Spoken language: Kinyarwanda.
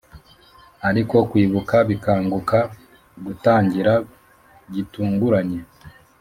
ariko kwibuka bikanguka gutangira gitunguranye